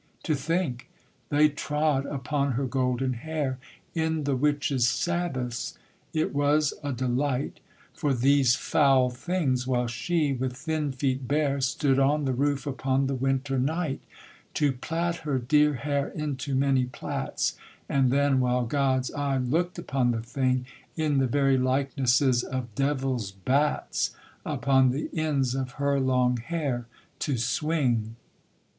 To think! they trod upon her golden hair In the witches' sabbaths; it was a delight For these foul things, while she, with thin feet bare, Stood on the roof upon the winter night, To plait her dear hair into many plaits, And then, while God's eye look'd upon the thing, In the very likenesses of Devil's bats, Upon the ends of her long hair to swing.